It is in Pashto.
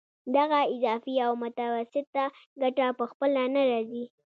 دغه اضافي او متوسطه ګټه په خپله نه راځي